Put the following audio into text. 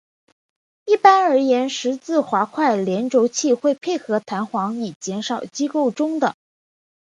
一般而言十字滑块联轴器会配合弹簧以减少机构中的。